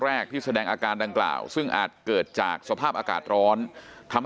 แรกที่แสดงอาการดังกล่าวซึ่งอาจเกิดจากสภาพอากาศร้อนทำให้